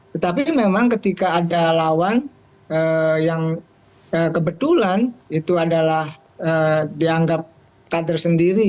tetapi memang ketika ada lawan yang kebetulan itu adalah dianggap kader sendiri